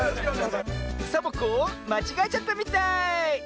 サボ子まちがえちゃったみたい！